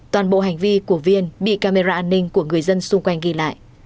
toàn bộ hành vi của viên bị camera an ninh của người dân xung quanh ghi lại